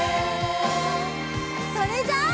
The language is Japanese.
それじゃあ。